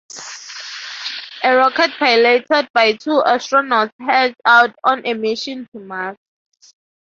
A rocket piloted by two astronauts heads out on a mission to Mars.